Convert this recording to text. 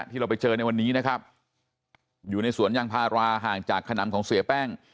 ที่เราไปเจอในวันนี้นะครับอยู่ในสวนยางพาราห่างจากขนำของเสียแป้ง